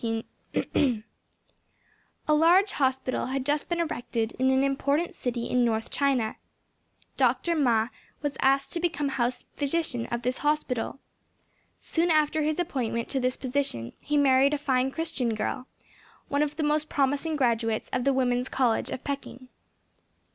A large hospital had just been erected in an important city in North China. Dr. Ma was asked to become house physician of this hospital. Soon after his appointment to this position he married a fine Christian girl, one of the most promising graduates of the Women's College of Peking.